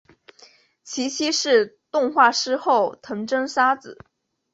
其妻是动画师后藤真砂子。